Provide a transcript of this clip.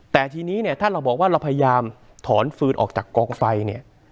แต่ทีนี้เนี่ยถ้าเราบอกว่าเราพยายามถอนฟืนออกจากกองไฟเนี่ย